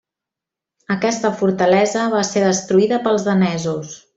Aquesta fortalesa va ser destruïda pels danesos.